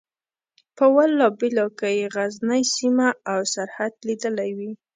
په والله بالله که یې غزنۍ سیمه او سرحد لیدلی وي.